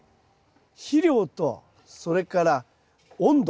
肥料とそれから温度